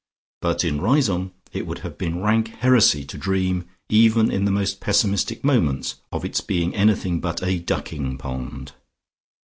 But in Riseholme it would have been rank heresy to dream, even in the most pessimistic moments, of its being anything but a ducking pond.